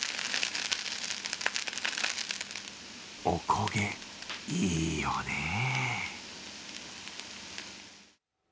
おこげ、いいよね。